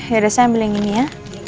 ya udah saya ambil yang ini ya